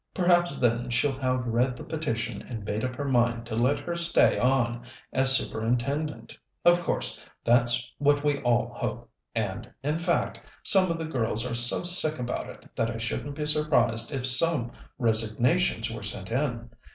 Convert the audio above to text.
Perhaps then she'll have read the petition and made up her mind to let her stay on as Superintendent. Of course, that's what we all hope, and, in fact, some of the girls are so sick about it that I shouldn't be surprised if some resignations were sent in.